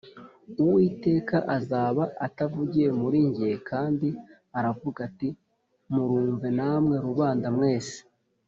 Uwiteka azaba atavugiye muri jye” Kandi aravuga ati “Murumve namwe rubanda mwese”